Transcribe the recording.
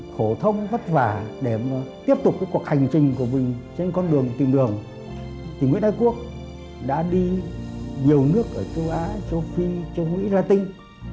phổ thông vất vả để mà tiếp tục cái cuộc hành trình của mình trên con đường tìm đường thì nguyễn ái quốc đã đi nhiều nước ở châu á châu phi châu mỹ la tinh